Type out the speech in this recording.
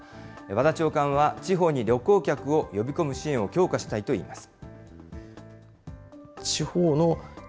和田長官は、地方に旅行客を呼び込む支援を強化したいといいます。